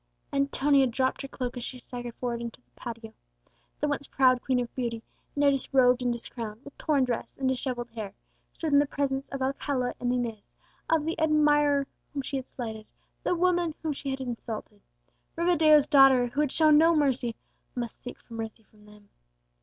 Antonia dropped her cloak as she staggered forward into the patio; the once proud queen of beauty, now disrobed and discrowned, with torn dress and dishevelled hair, stood in the presence of Alcala and Inez, of the admirer whom she had slighted, the woman whom she had insulted! Rivadeo's daughter, who had shown no mercy, must seek for mercy from them!